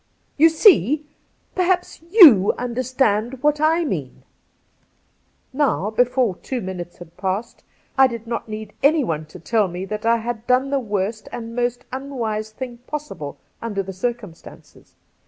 You see ! Perhaps you understand what I mean !' Now, before two minutes had, passed, I did not need anyone to tell me that I had done, the worst and most unwise thing possible under the circum stances.